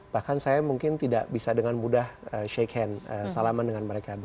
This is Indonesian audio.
bahkan saya mungkin tidak bisa dengan mudah shake hand salaman dengan mereka